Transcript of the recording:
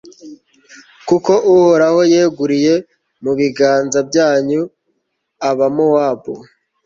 kuko uhoraho yeguriye mu biganza byanyu abamowabu